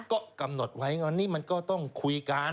ก็กำหนดไว้ว่านี่มันก็ต้องคุยกัน